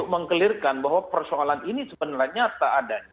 untuk mengkelirkan bahwa persoalan ini sebenarnya tak ada